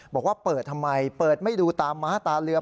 บอกว่าเปิดทำไมเปิดไม่ดูตาม้าตาเรือ